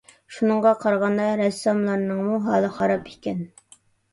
شۇنىڭغا قارىغاندا، رەسساملارنىڭمۇ ھالى خاراب ئىكەن.